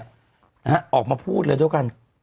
นะฮะออกมาพูดเลยด้วยกัน